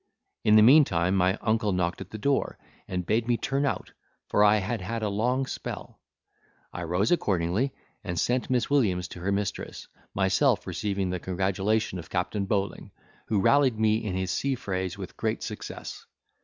In the meantime my uncle knocked at the door, and bade me turn out, for I had had a long spell. I rose accordingly, and sent Miss Williams to her mistress, myself receiving the congratulation of Captain Bowling, who rallied me in his sea phrase with great success.